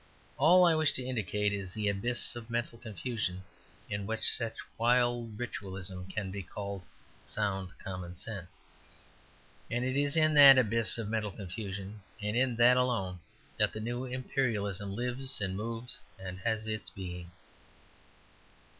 All I wish to indicate is the abyss of mental confusion in which such wild ritualism can be called "sound common sense." And it is in that abyss of mental confusion, and in that alone, that the new Imperialism lives and moves and has its being.